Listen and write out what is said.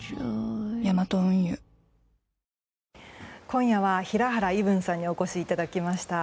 今夜は平原依文さんにお越しいただきました。